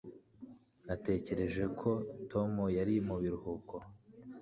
Natekereje ko Tom yari mu biruhuko